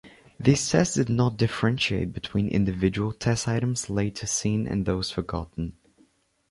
These tests did not differentiate between individual test items later seen and those forgotten.